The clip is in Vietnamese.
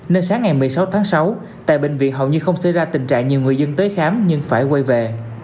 nên sáng ngày một mươi sáu tháng sáu tại bệnh viện hầu như không xảy ra tình trạng nhiều người dân tới khám nhưng phải quay về